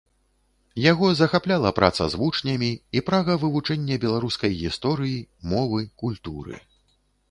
Яго захапляла праца з вучнямі і прага вывучэння беларускай гісторыі, мовы, культуры.